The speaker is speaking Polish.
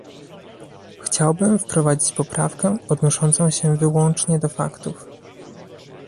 Chciałbym wprowadzić poprawkę odnoszącą się wyłącznie do faktów